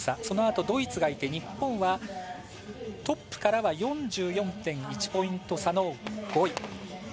そのあと、ドイツがいて日本はトップからは４４．１ポイント差の５位。